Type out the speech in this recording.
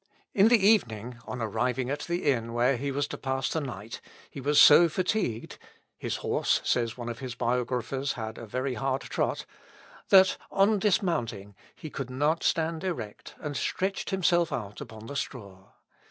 In the evening, on arriving at the inn where he was to pass the night, he was so fatigued (his horse, says one of his biographers, had a very hard trot,) that, on dismounting, he could not stand erect, and stretched himself out upon the straw.